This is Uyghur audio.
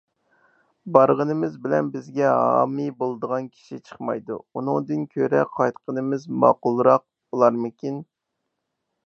بارغىنىمىز بىلەن بىزگە ھامىي بولىدىغان كىشى چىقمايدۇ، ئۇنىڭدىن كۆرە قايتقىنىمىز ماقۇلراق بولارمىكىن؟